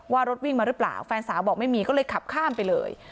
ว่ารถวิ่งมาหรือเปล่าแฟนสาวบอกไม่มีก็เลยขับข้ามไปเลย